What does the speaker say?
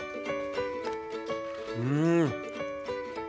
うん！